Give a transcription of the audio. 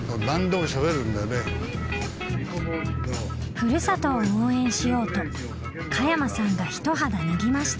ふるさとを応援しようと加山さんが一肌脱ぎました。